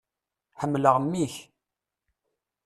Ḥemmleɣ mmi-k.